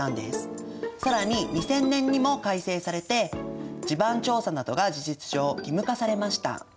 更に２０００年にも改正されて地盤調査などが事実上義務化されました。